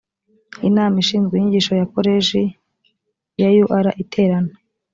inama ishinzwe inyigisho ya koleji ya ur iterana